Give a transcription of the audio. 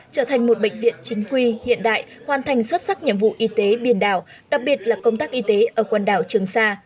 trở thành một bệnh viện chính quy hiện đại hoàn thành xuất sắc nhiệm vụ y tế biển đảo đặc biệt là công tác y tế ở quần đảo trường sa